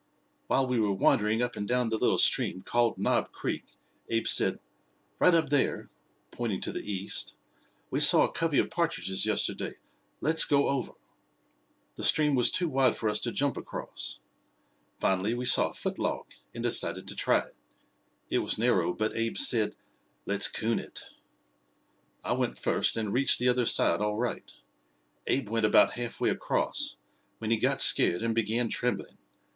"While we were wandering up and down the little stream called Knob Creek, Abe said: 'Right up there' pointing to the east 'we saw a covey of partridges yesterday. Let's go over.' The stream was too wide for us to jump across. Finally we saw a foot log, and decided to try it. It was narrow, but Abe said, 'Let's coon it.' "I went first and reached the other side all right. Abe went about half way across, when he got scared and began trembling.